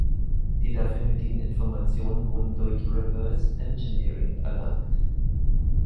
Die dafür nötigen Informationen wurden durch Reverse Engineering erlangt.